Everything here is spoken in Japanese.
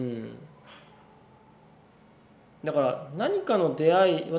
だから何かの出会いまあ